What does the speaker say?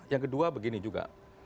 yang kedua begini juga